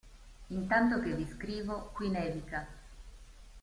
Intanto che vi scrivo qui nevica.